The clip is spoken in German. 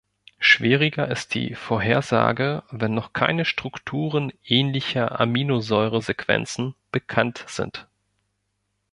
Schwieriger ist die Vorhersage, wenn noch keine Strukturen ähnlicher Aminosäuresequenzen bekannt sind.